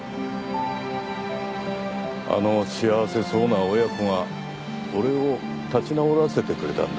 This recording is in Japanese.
あの幸せそうな親子が俺を立ち直らせてくれたんだ。